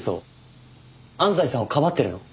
安西さんをかばってるの？